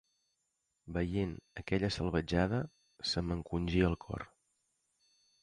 Veient aquella salvatjada, se m'encongia el cor.